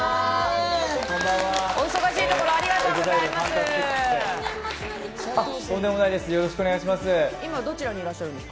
お忙しいところありがとうございます。